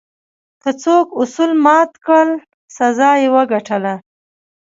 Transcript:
که څوک اصول مات کړل، سزا یې وګټله.